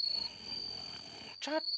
ちょっと！